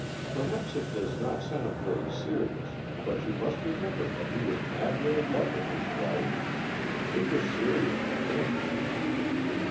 Perhaps it does not sound very serious, but you must remember that he was madly in love with his wife. It was serious for him."